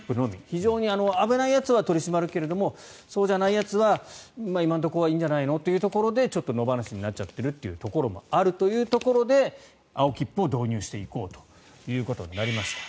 非常に危ないやつは取り締まるけれどもそうじゃないやつは今のところはいいんじゃないのということで野放しになっているところもあるというところで青切符を導入していこうということになりました。